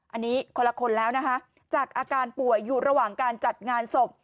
อันนี้คนละคนแล้วนะคะจากอาการป่วยอยู่ระหว่างการจัดงานศพ